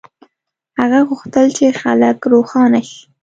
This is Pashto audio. هغه غوښتل چې خلک روښانه شي.